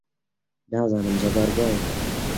نازانم جەبار بۆ وای کرد.